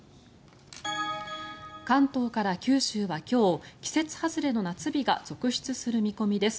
関東から九州は今日季節外れの夏日が続出する見込みです。